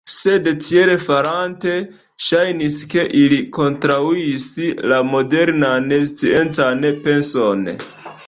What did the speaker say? Sed tiel farante, ŝajnis ke ili kontraŭis la modernan sciencan penson.